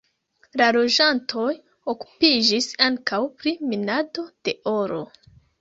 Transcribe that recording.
La loĝantoj okupiĝis ankaŭ pri minado de oro.